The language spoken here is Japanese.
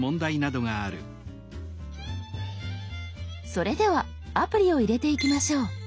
それではアプリを入れていきましょう。